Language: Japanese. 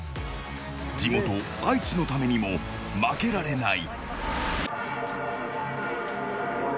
地元・愛知のためにも負けられない。